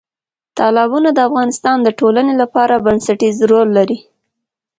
تالابونه د افغانستان د ټولنې لپاره بنسټیز رول لري.